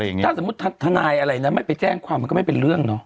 ถ้าสมมุติทนายอะไรนะไม่ไปแจ้งความมันก็ไม่เป็นเรื่องเนาะ